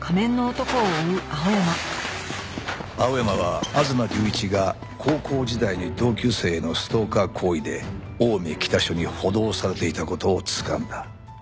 青山は吾妻隆一が高校時代に同級生へのストーカー行為で青梅北署に補導されていた事をつかんだ。